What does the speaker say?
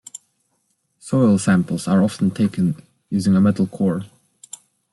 Soil samples are often taken using a metal core.